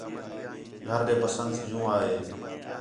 گھر ݙے بسنت جوں آ ہے